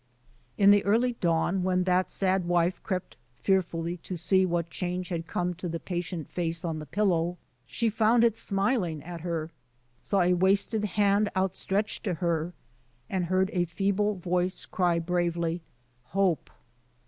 In the early dawn, when that sad wife crept fearfully to see what change had come to the patient face on the pillow, she found it smiling at her, saw a wasted hand outstretched to her, and heard a feeble voice cry bravely, "Hope!"